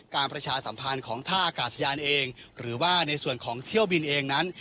ประชาสัมพันธ์ของท่าอากาศยานเองหรือว่าในส่วนของเที่ยวบินเองนั้น